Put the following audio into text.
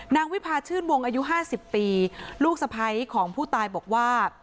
วิพาชื่นวงอายุ๕๐ปีลูกสะพ้ายของผู้ตายบอกว่า